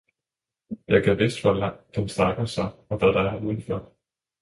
jeg gad vidst hvor langt den strækker sig og hvad der er udenfor!